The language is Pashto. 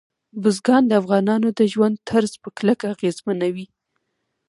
بزګان د افغانانو د ژوند طرز په کلکه اغېزمنوي.